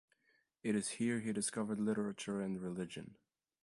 It is here he discovered literature and religion.